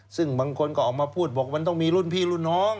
ซึ่งบางคนก็ออกมาพูดบอกมันต้องมีรุ่นพี่รุ่นน้อง